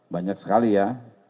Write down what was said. banyak sekali ya